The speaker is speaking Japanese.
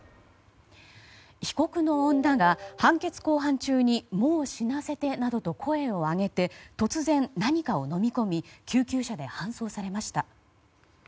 被告の女が判決公判中にもう死なせてなどと声を上げて突然、何かを飲み込み救急車で搬送されました。